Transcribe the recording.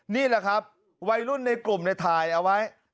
นี่แหละครับวัยรุ่นในกลุ่มในถ่ายเอาไว้